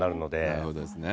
なるほどですね。